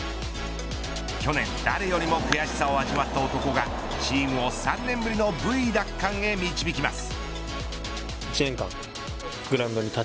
去年、誰よりも悔しさを味わった男がチームを３年ぶりのＶ奪還へ導きます。